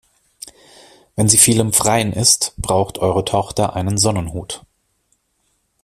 Wenn sie viel im Freien ist, braucht eure Tochter einen Sonnenhut.